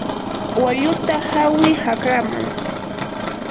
walluta hawi chakraman.